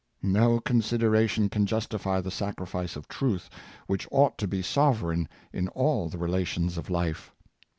No consideration can justify the sacrifice of truth, which ought to be sovereign in all the relations of life.